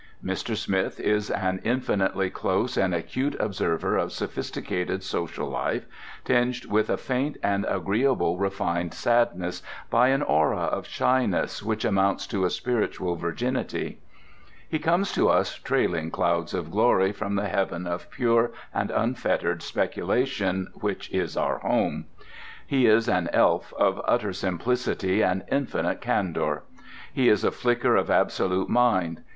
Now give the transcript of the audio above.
Mr. Smith is an infinitely close and acute observer of sophisticated social life, tinged with a faint and agreeable refined sadness, by an aura of shyness which amounts to a spiritual virginity. He comes to us trailing clouds of glory from the heaven of pure and unfettered speculation which is our home. He is an elf of utter simplicity and infinite candour. He is a flicker of absolute Mind.